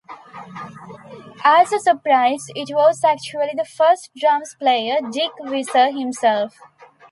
As a surprise it was actually the first drumsplayer Dick Visser himself!